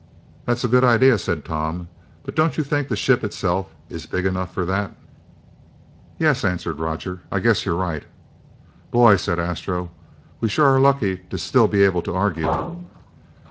"That's a good idea," said Tom, "but don't you think the ship itself is big enough for that?" "Yeah," answered Roger, "I guess you're right." "Boy!" said Astro. "We sure are lucky to still be able to argue."